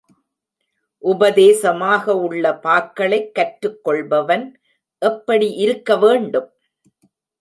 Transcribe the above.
உபதேசமாக உள்ள பாக்களைக் கற்றுக் கொள்பவன் எப்படி இருக்க வேண்டும்?